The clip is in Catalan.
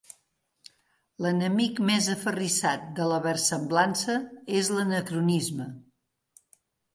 L'enemic més aferrissat de la versemblança és l'anacronisme.